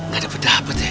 gak ada pedah apa deh